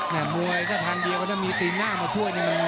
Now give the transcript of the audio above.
แต่มวยก็ทางดีกว่าจะมีทีมหน้ามาช่วย